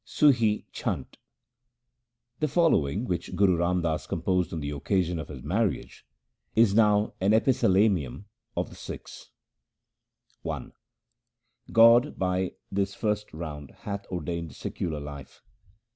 Sum Chhant The following, which Guru Ram Das composed on the occasion of his marriage, is now an epithalamium of the Sikhs. I God by this first round 1 hath ordained secular life.